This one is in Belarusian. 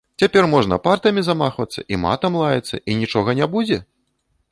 Цяпер можна партамі замахвацца і матам лаяцца, і нічога не будзе?